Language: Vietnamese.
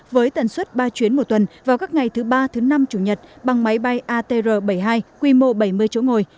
với tần suất ba chuyến một tuần vào các ngày thứ ba thứ năm chủ nhật bằng máy bay atr bảy mươi hai quy mô bảy mươi chỗ ngồi